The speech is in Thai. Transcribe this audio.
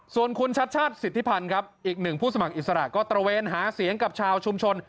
ส่วนคุณชัดชาติสิทธิพันธ์ครับอีกหนึ่งผู้สมัครอิสระก็ตระเวนหาเสียงกับชาวชุมชน